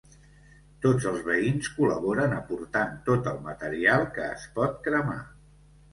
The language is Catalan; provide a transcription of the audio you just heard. Tots els veïns col·laboren aportant tot el material que es pot cremar.